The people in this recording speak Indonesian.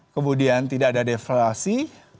kemudian tidak ada devaluasi